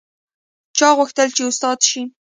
چا غوښتل چې استاده شي